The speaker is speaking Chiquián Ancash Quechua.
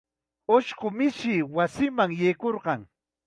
Ushqu mishi wasima yaykurqun.